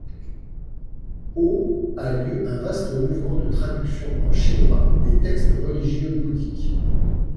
Au a lieu un vaste mouvement de traductions en chinois des textes religieux bouddhiques.